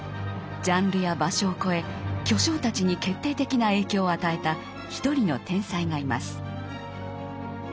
ジャンルや場所を超え巨匠たちに決定的な影響を与えた一人の天才がいます。